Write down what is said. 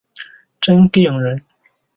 真定人。